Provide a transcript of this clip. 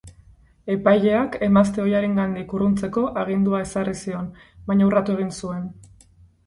Epaileak emazte ohiarengandik urruntzeko agindua ezarri zion, baina urratu egin zuen.